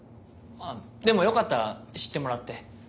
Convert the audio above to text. でもよかった知ってもらって。